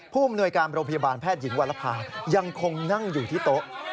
ผู้อำนวยการโรงพยาบาลแพทย์หญิงวรภายังคงนั่งอยู่ที่โต๊ะ